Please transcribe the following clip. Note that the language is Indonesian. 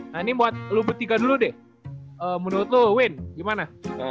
nah ini buat lu bertiga dulu deh menurut lo win gimana